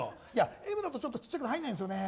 Ｍだとちょっと小さいから入らないんですよね。